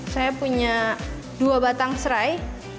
saya punya dua batang serai